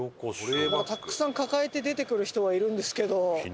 たくさん抱えて出てくる人はいるんですけど。